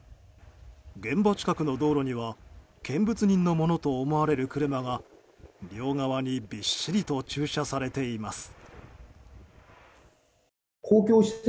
現場近くの道路には見物人のものと思われる車が両側にびっしりと駐車されています。